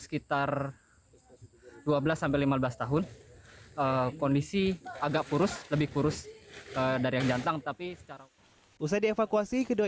sekitar dua belas sampai lima belas tahun kondisi agak kurus lebih kurus dari yang jantan tapi secara usai dievakuasi kedua